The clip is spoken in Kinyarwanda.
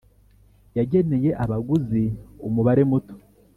yageneye abaguzi umubare muto